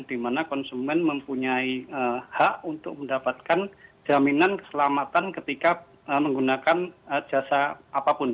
di mana konsumen mempunyai hak untuk mendapatkan jaminan keselamatan ketika menggunakan jasa apapun